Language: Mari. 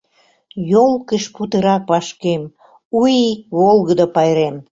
Ёлкыш путырак вашкем, У ий — волгыдо пайрем.